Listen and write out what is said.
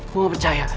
gue gak percaya